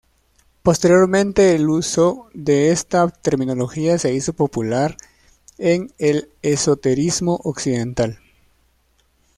Posteriormente el uso de esta terminología se hizo popular en el esoterismo occidental.